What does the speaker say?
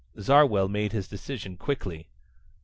Zarwell made his decision quickly.